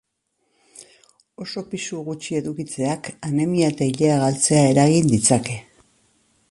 Oso pisu gutxi edukitzeak anemia eta ilea galtzea eragin ditzake.